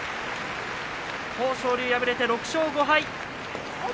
豊昇龍、敗れて６勝５敗。